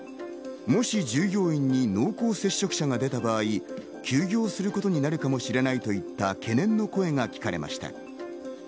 もし従業員に濃厚接触者が出た場合、休業することになるかもしれないといった懸念の声が聞かれました。